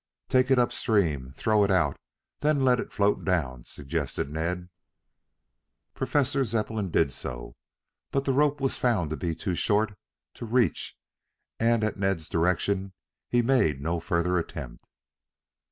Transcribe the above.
"Take it up stream throw it out, then let it float down," suggested Ned. Professor Zepplin did so, but the rope was found to be too short to reach, and at Ned's direction, he made no further attempt.